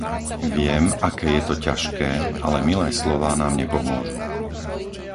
Viem, aké je to ťažké, ale milé slová nám nepomôžu.